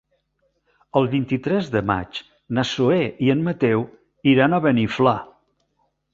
El vint-i-tres de maig na Zoè i en Mateu iran a Beniflà.